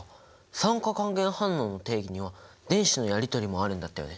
酸化還元反応の定義には電子のやりとりもあるんだったよね。